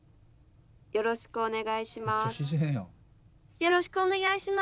よろしくお願いします。